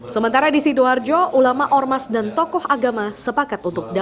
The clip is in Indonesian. sementara di sidoarjo ulama ormas dan tokoh agama sepakat